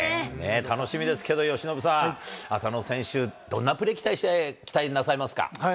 楽しみですけど、由伸さん、浅野選手、どんなプレー、期待なさいますか。